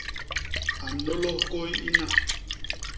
A nnôlôs kôy ina.